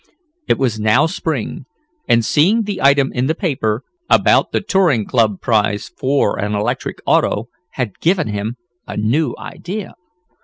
It was now spring, and seeing the item in the paper, about the touring club prize for an electric auto, had given him a new idea.